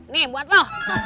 nih buat lu